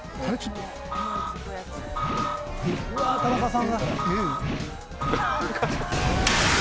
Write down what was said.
うわ田中さんが。